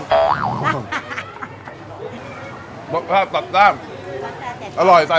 อร่อยใส่อะไรบ้างครับเนี้ยมีผักแล้วก็มีปลาหมึกมีลูกชิ้น